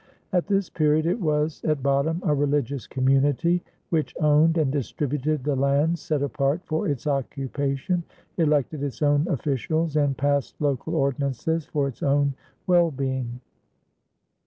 At this period, it was at bottom a religious community which owned and distributed the lands set apart for its occupation, elected its own officials, and passed local ordinances for its own well being.